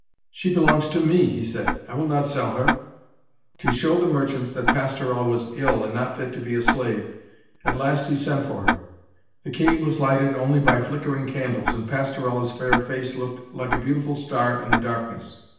'She belongs to me,' he said. 'I will not sell her.' To show the merchants that Pastorella was ill and not fit to be a slave, at last he sent for her. The cave was lighted only by flickering candles, and Pastorella's fair face looked like a beautiful star in the darkness.